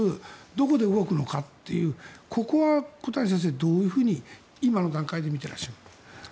どこで動くのかというここは小谷先生どういうふうに今の段階で見てらっしゃいますか？